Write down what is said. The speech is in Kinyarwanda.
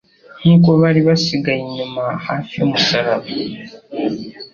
Nk'uko bari basigaye inyuma hafi y'umusaraba,